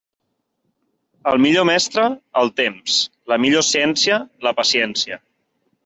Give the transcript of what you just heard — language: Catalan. El millor mestre, el temps; la millor ciència, la paciència.